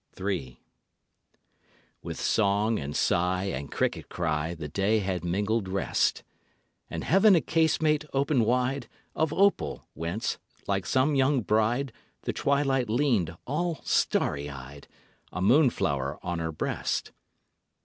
III. With song and sigh and cricket cry The day had mingled rest; And Heaven a casement opened wide Of opal, whence, like some young bride, The Twilight leaned, all starry eyed, A moonflower on her breast.